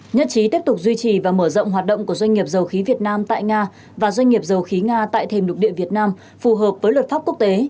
nhất trí tiếp tục duy trì và mở rộng hoạt động của doanh nghiệp dầu khí việt nam tại nga và doanh nghiệp dầu khí nga tại thềm lục địa việt nam phù hợp với luật pháp quốc tế